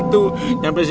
aduh rataki itu